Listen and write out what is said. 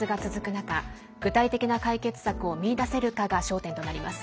中具体的な解決策を見いだせるかが焦点となります。